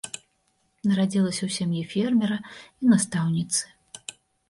Нарадзілася ў сям'і фермера і настаўніцы.